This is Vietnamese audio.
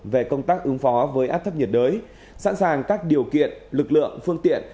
về công tác ứng phó với áp thấp nhiệt đới sẵn sàng các điều kiện lực lượng phương tiện